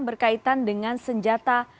berkaitan dengan senjata